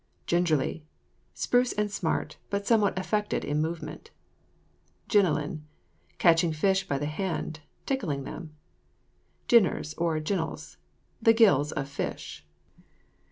GINGERLY. Spruce and smart, but somewhat affected in movement. GINNELIN. Catching fish by the hand; tickling them. GINNERS, OR GINNLES. The gills of fish.